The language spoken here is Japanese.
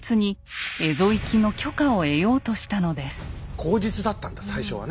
口実だったんだ最初はね